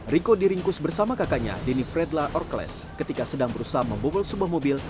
riko diringkus bersama kakaknya denny fredla orkles ketika sedang berusaha membobol sebuah mobil